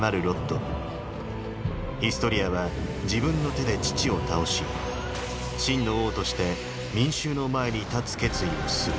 ヒストリアは自分の手で父を倒し真の王として民衆の前に立つ決意をする。